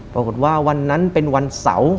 ปรากฏว่าวันนั้นเป็นวันเสาร์